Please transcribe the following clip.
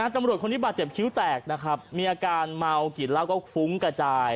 ตำรวจคนนี้บาดเจ็บคิ้วแตกนะครับมีอาการเมากลิ่นเหล้าก็ฟุ้งกระจาย